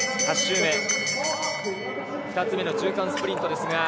２つ目の中間スプリント。